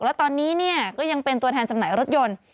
แล้วตอนนี้เนี่ยก็ยังเป็นตัวแทนจำหน่ายรถยนต์